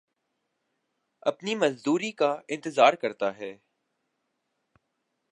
اپنی مزدوری کا انتظار کرتا ہے